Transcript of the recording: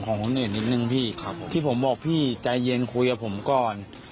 ของคนอื่นนิดนึงพี่ครับที่ผมบอกพี่ใจเย็นคุยกับผมก่อน